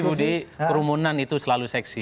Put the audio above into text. budi kerumunan itu selalu seksi